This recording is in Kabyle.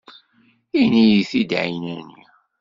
Ini-yi-t-id ɛinani.